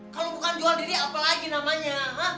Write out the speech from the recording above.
kalau bukan jual diri apa lagi namanya